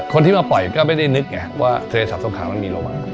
คนที่มาปล่อยก็ไม่ได้นึกไงว่าทะเลสาบสงขามันมีลงมา